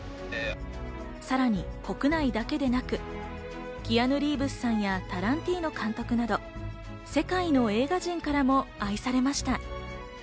さらに国内だけでなく、キアヌ・リーブスさんや、タランティーノ監督など、世界の映画人からも愛されました。